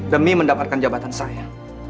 demi mendapatkan jabatan saya